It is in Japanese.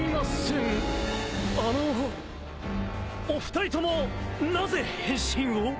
お二人ともなぜ変身を？